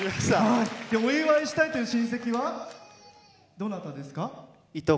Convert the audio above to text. お祝いしたいという親戚はどなたですか？